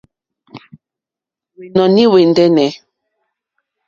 Hwɛ̀nɔ̀ní hwɛ̀ ndɛ́nɛ̀.